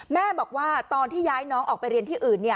แม่บอกว่าตอนที่ย้ายน้องออกไปเรียนที่อื่น